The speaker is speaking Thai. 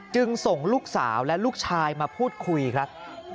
จึงส่งลูกสาวและลูกชายมาพูดคุยครับ